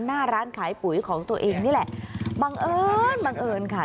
หน้าร้านขายปุ๋ยของตัวเองนี่แหละบังเอิญบังเอิญค่ะ